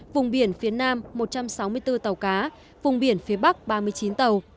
vùng biển phía nam một trăm sáu mươi bốn tàu cá vùng biển phía bắc ba mươi chín tàu